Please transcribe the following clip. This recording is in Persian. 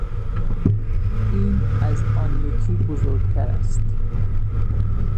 این از آن یکی بزرگتر است.